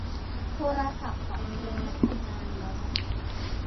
โทรศัพท์ของเธอไม่ทำงานแล้ว